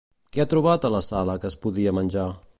Què ha trobat a la sala que es podia menjar?